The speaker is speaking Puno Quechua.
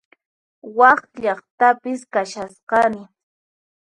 Wak llaqtapis kashasqani